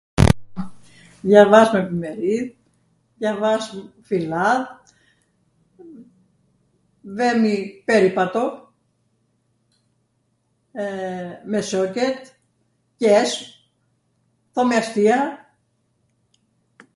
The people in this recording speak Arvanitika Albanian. dhjavasmw efimeridh, dhjavasmw filladh, vemi peripato ... me shoqet, qeshm, thomi astia...